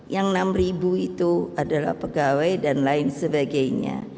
yang enam ribu itu adalah pegawai dan lain sebagainya